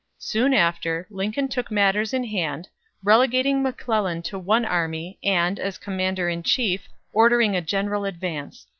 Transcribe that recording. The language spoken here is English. Soon after, Lincoln took matters in hand, relegating McClellan to one army, and, as commander in chief, ordering a general advance.